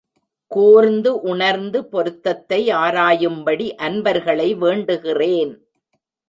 கூர்ந்து உணர்ந்து பொருத்தத்தை ஆராயும்படி அன்பர்களை வேண்டுகிறேன்.